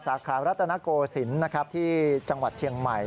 สาขารัตนโกศิลป์ที่จังหวัดเชียงใหม่